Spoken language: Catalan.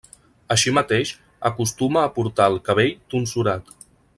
Així mateix, acostuma a portar el cabell tonsurat.